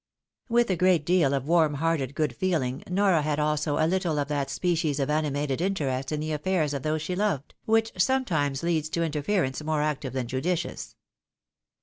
With a great deal of warm hearted good feeling, Nora had also a httle of that species of animated interest in the affairs of those she loved, which sometimes leads to interference more active than judicious.